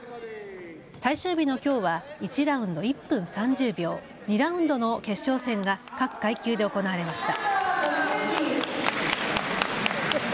最終日のきょうは１ラウンド１分３０秒、２ラウンドの決勝戦が各階級で行われました。